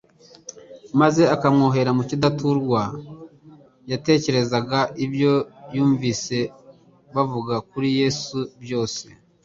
maze akamwohera mu kidaturwa? Yatekerezaga ibyo yumvise bavuga kuri Yesu byose.